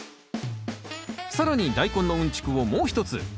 更にダイコンのうんちくをもう一つ。